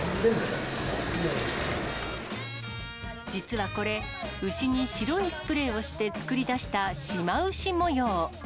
実はこれ、牛に白いスプレーをして作り出したシマウシ模様。